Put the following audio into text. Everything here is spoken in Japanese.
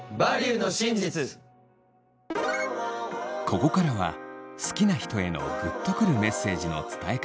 ここからは好きな人へのグッとくるメッセージの伝え方。